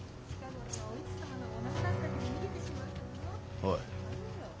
おい。